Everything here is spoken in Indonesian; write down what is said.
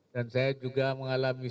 dan saya juga mengalami sambutan